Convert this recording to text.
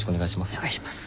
お願いします。